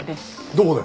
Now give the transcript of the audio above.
どこで？